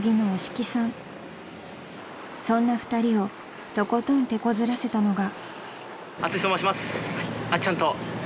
［そんな２人をとことん手こずらせたのが］